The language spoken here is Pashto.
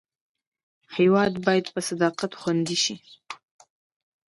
هېواد باید په صداقت خوندي شي.